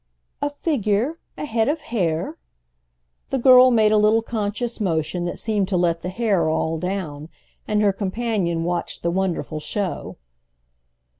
"A figure, a head of hair!" The girl made a little conscious motion that seemed to let the hair all down, and her companion watched the wonderful show.